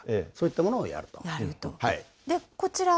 そういったものをやると。